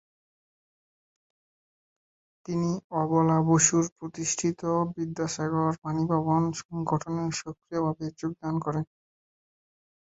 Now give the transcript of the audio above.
তিনি অবলা বসু প্রতিষ্ঠিত 'বিদ্যাসাগর বানীভবন''' সংগঠনেও সক্রিয়ভাবে যোগদান করেন।